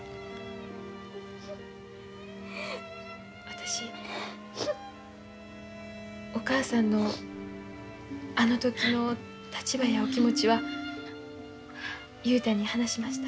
私お母さんのあの時の立場やお気持ちは雄太に話しました。